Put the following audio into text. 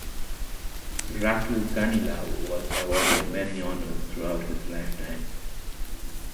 Ratu Ganilau was awarded many honours throughout his lifetime.